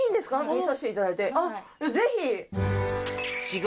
見させていただいて。